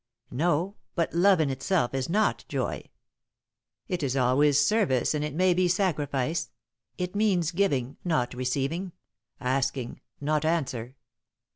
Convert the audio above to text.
"No, but love in itself is not joy. It is always service and it may be sacrifice. It means giving, not receiving; asking, not answer."